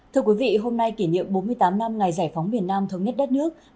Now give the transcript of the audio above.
thưa quý vị hôm nay kỷ niệm bốn mươi tám năm ngày giải phóng miền nam thống nhất đất nước